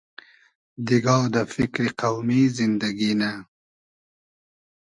دیگا دۂ فیکری قۆمی زیندئگی نۂ